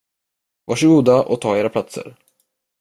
Varsågoda och ta era platser.